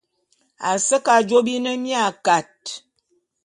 A se ke ajô bi ne mia kat.